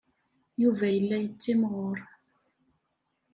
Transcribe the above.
Yuba yella yettimɣur.